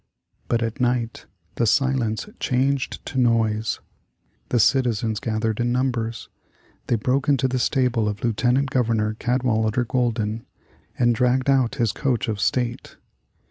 But at night the silence changed to noise. The citizens gathered in numbers. They broke into the stable of Lieutenant Governor Cadwallader Golden and dragged out his coach of state.